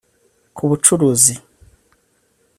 ku bucuruzi